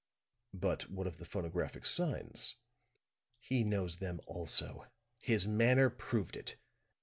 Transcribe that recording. "But what of the phonographic signs?" "He knows them also. His manner proved it.